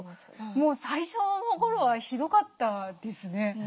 もう最初の頃はひどかったですね。